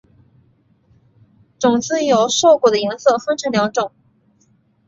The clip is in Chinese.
种子由瘦果的颜色分成两种。